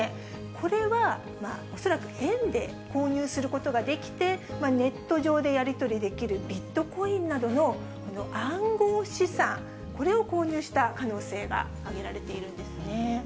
これは恐らく円で購入することができて、ネット上でやり取りできるビットコインなどの暗号資産、これを購入した可能性が挙げられているんですね。